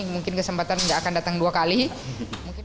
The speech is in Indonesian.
mungkin kesempatan tidak akan datang lagi